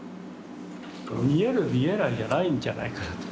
見える見えないじゃないんじゃないかなと。